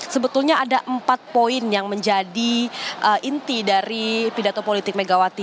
sebetulnya ada empat poin yang menjadi inti dari pidato politik megawati